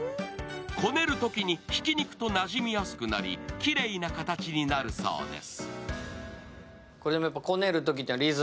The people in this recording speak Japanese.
こねるときにひき肉となじみやすくなり、きれいな形になるそうです。